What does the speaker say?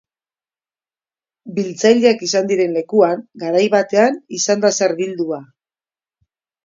Biltzaileak izan diren lekuan, garai batean, izan da zer bildua.